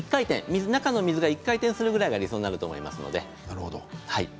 中の水が１回転するぐらいが理想だと思います。